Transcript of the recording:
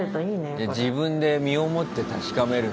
自分で身をもって確かめるんだ。